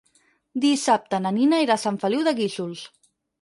Dissabte na Nina irà a Sant Feliu de Guíxols.